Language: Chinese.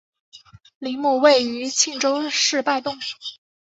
陵墓位于庆州市拜洞。